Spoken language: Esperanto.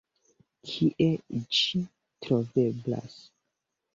Kie ĝi troveblas?